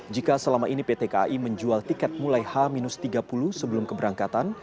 jika selama ini pt kai menjual tiket mulai h tiga puluh sebelum keberangkatan